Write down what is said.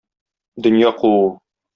Дөнья куу.